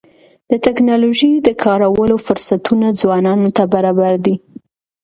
د ټکنالوژۍ د کارولو فرصتونه ځوانانو ته برابر دي.